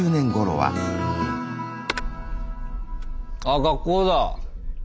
あ学校だ！